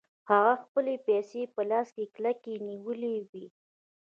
هغه خپلې پيسې په لاس کې کلکې نيولې وې.